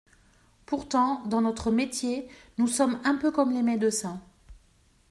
Pourtant, dans notre métier, nous sommes un peu comme les médecins.